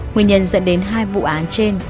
nguyên nhân dẫn đến hai vụ án trên